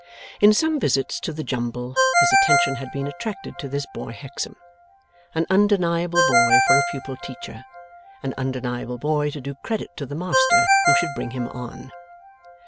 In some visits to the Jumble his attention had been attracted to this boy Hexam. An undeniable boy for a pupil teacher; an undeniable boy to do credit to the master who should bring him on.